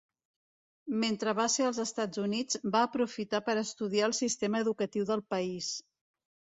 Mentre va ser als Estats Units, va aprofitar per estudiar el sistema educatiu del país.